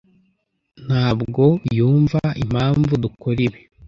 ntabwo yumva impamvu dukora ibi.